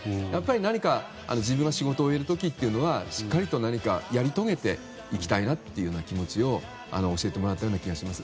何か、自分が仕事をやる時はしっかりとやり遂げていきたいなという気持ちを教えてもらったような気がします。